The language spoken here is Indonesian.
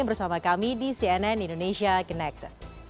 bersama kami di cnn indonesia connected